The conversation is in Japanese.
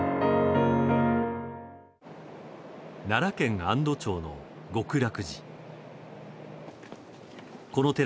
奈良県安堵町の極楽寺。